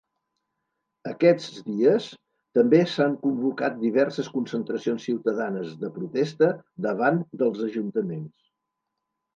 Aquests dies també s’han convocat diverses concentracions ciutadanes de protesta davant dels ajuntaments.